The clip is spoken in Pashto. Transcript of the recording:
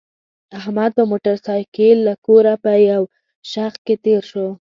احمد په موټرسایکل له کوره په یو شخ کې تېر شو.